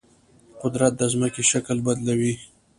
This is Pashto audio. قدرت د ځمکې شکل بدلوي.